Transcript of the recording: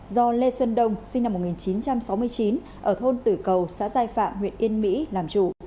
do lê xuân đông sinh năm một nghìn chín trăm sáu mươi chín ở thôn tử cầu xã giai phạm huyện yên mỹ làm chủ